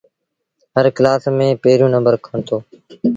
هر ڪلآس ميݩ پيريوݩ نمبر کنيو۔